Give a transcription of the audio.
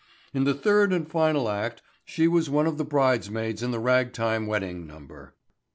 In the third and final act she was one of the bridesmaids in the ragtime wedding number.